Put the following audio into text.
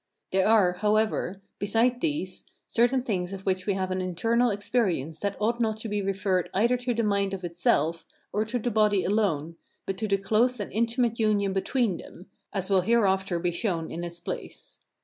There are, however, besides these, certain things of which we have an internal experience that ought not to be referred either to the mind of itself, or to the body alone, but to the close and intimate union between them, as will hereafter be shown in its place.